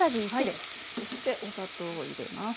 そしてお砂糖を入れます。